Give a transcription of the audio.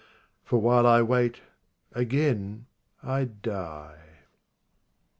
for, while I wait, again I die.